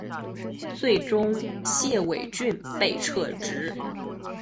最终谢维俊被撤职。